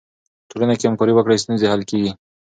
ټولنه که همکاري وکړي، ستونزې حل کیږي.